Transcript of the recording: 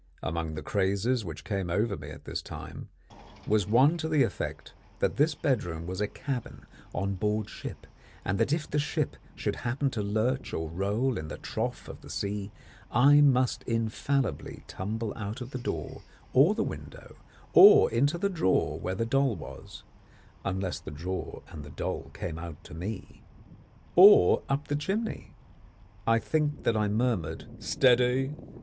Among the crazes which came over me at this time, was one to the effect that this bedroom was a cabin on board ship, and that if the ship should happen to lurch or roll in the trough of the sea, I must infallibly tumble out of the door or the window, or into the drawer where the doll was unless the drawer and the doll came out to me or up the chimney. I think that I murmured "Steady!"